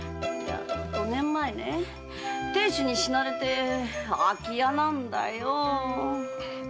五年前亭主に死なれて空き家なんだよ。